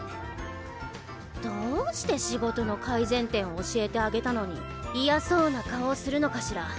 どうして仕事の改善点を教えてあげたのに嫌そうな顔をするのかしら。